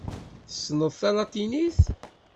Tessneḍ talatinit?